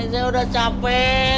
saya udah capek